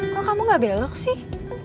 kok kamu gak belok sih